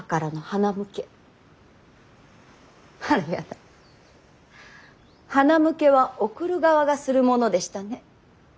はなむけは送る側がするものでしたね。